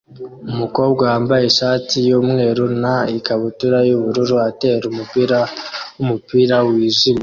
Umukobwa wambaye ishati yumweru na ikabutura yubururu atera umupira wumupira wijimye